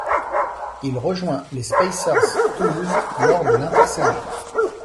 Il rejoint les Spacer's Toulouse lors de l'intersaison.